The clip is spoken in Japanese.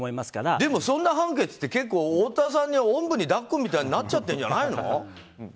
でも、そんな判決って結構、太田さんにおんぶに抱っこみたいになっちゃってんじゃないの？